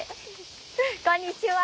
こんにちは。